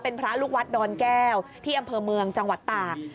เป็นพระลูกวัดดอนแก้วที่อำเภอเมืองจังหวัดตาก